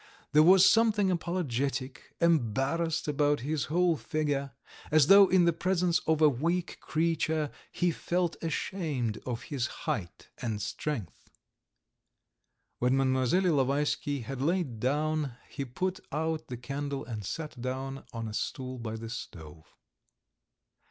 There was something apologetic, embarrassed about his whole figure, as though in the presence of a weak creature he felt ashamed of his height and strength. ... When Mlle. Ilovaisky had lain down, he put out the candle and sat down on a stool by the stove.